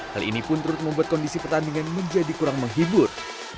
hal ini pun turut membuat kondisi pertandingan menjadi kurang menghibur